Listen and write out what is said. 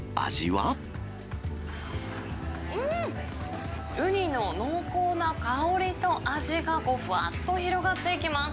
うーん、ウニの濃厚な香りと味がふわっと広がっていきます。